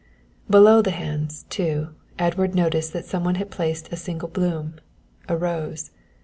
Below the hands, too, Edward noticed that some one had placed a single bloom, a rose.